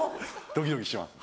ドキドキします。